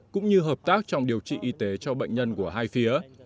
cũng như hợp tác trong điều trị y tế cho bệnh nhân của hai phía